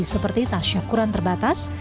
seperti tas syukuran terbatas